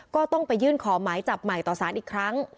ก็ต้องไปยื่นขอหมายจับใหม่ต่อสารอีกครั้ง